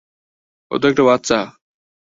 ও তো একটা বাচ্চা।